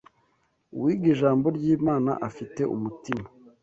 Uwiga Ijambo ry’Imana afite umutima